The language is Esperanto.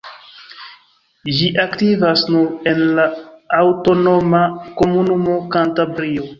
Ĝi aktivas nur en la aŭtonoma komunumo Kantabrio.